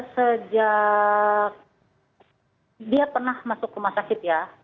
sejak dia pernah masuk ke masyarakat ya